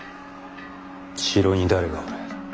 城に誰がおる？